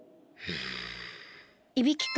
いびきか。